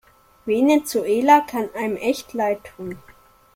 Venezuela kann einem echt leidtun.